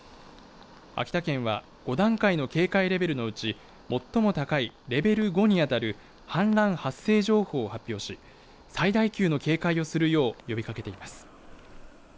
秋田県は５段階の警戒レベルのうち最も高いレベル５に当たる氾濫発生情報を発表し最大級の警戒をするよう呼びかけています。